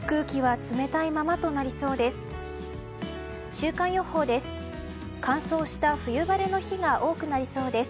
週間予報です。